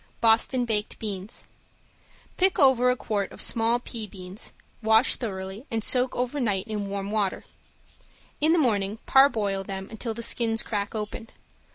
~BOSTON BAKED BEANS~ Pick over a quart of small pea beans, wash thoroughly and soak over night in warm water. In the morning parboil them until the skins crack open.